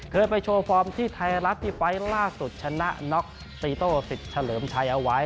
เคยไปโชว์ฟอร์มที่ไทยรัฐที่ไฟล์ล่าสุดชนะน็อกตีโต้สิทธิ์เฉลิมชัยเอาไว้